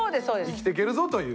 生きていけるぞという。